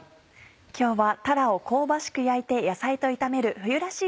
今日はたらを香ばしく焼いて野菜と炒める冬らしい